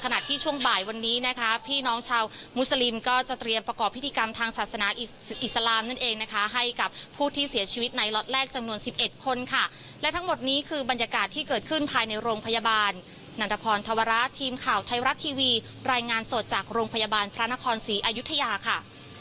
นันทพรธวรรษทีมข่าวไทยรัฐทีวีรายงานสดจากโรงพยาบาลพระนพรศรีอยุธยาค่ะ